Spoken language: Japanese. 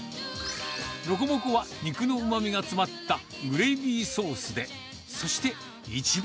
ロコモコは肉のうまみが詰まったグレービーソースで。